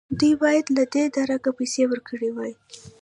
دوی باید له دې درکه پیسې ورکړې وای.